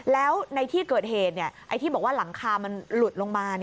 แล้วในที่เกิดเหตุไอ้ที่บอกว่าหลังคามันหลุดลงมา